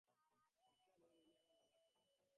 Mr Bloom, ইনি আমার বাবা, বার্ট ফিশার।